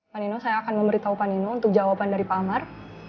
pak nino saya akan memberitahu pak nino untuk jawaban dari pak amar